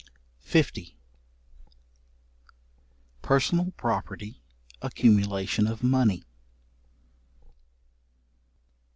§50. Personal property, accumulation of money.